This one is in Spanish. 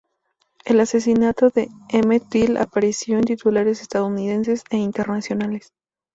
El asesinato de Emmett Till apareció en titulares estadounidenses e internacionales.